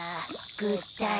ぐったり。